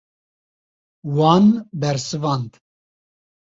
Wan bersivand.